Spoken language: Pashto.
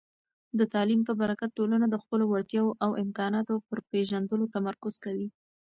د تعلیم په برکت، ټولنه د خپلو وړتیاوو او امکاناتو پر پېژندلو تمرکز کوي.